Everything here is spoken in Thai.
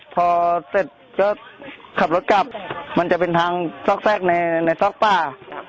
พอเสร็จก็ขับรถกลับมันจะเป็นทางซอกแทรกในซอกป้า